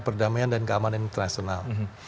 perdamaian dan keamanan internasional